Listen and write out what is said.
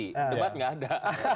debat nggak ada